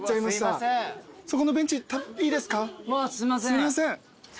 すいません。